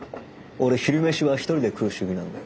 俺昼飯は一人で食う主義なんで。